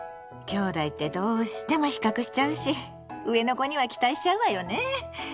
きょうだいってどうしても比較しちゃうし上の子には期待しちゃうわよね。